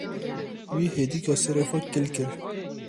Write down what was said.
Wî hêdîka serê xwe kil kir.